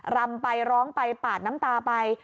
รำไปร้องไปปาดน้ำตาไป